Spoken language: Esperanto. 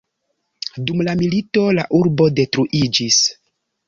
Dum la milito la urbo detruiĝis.